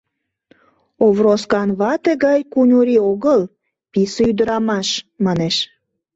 — Овроскан вате гай куньырий огыл, писе ӱдырамаш, — манеш.